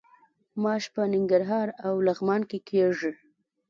ماش په ننګرهار او لغمان کې کیږي.